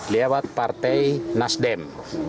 lewat partai nasdem